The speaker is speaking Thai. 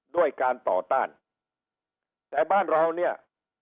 ด้วยการต่อต้านแต่บ้านเราเนี่ย